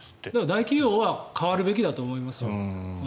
大企業は変わるべきだと思います。